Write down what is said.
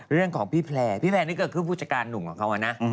เรื่องของพี่แพลร์พี่แพลร์นี่ก็คือผู้จัดการหนุ่มของเขานะ